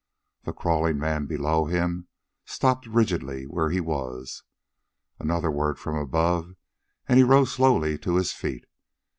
The crawling man below him stopped rigidly where he was. Another word from above, and he rose slowly to his feet.